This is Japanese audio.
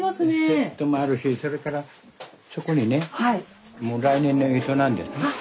セットもあるしそれからそこにねもう来年の干支なんですね。